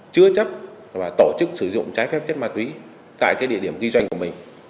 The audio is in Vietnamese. chứa chấp và tổ chức sử dụng trái phép chất ma túy tại địa điểm kinh doanh của mình